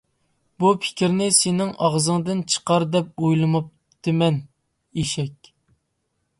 -بۇ پىكىرنى سېنىڭ ئاغزىڭدىن چىقار دەپ ئويلىماپتىمەن ئېشەك.